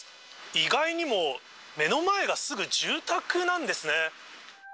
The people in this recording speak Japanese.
意外にも目の前がすぐ住宅なんですね。